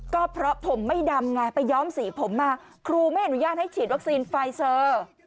ก็เพราะผมไม่ดำไงไปย้อมสีผมมาครูไม่อนุญาตให้ฉีดวัคซีนไฟเซอร์